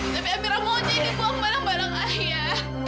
tapi amira mau jadi buang barang barang ayah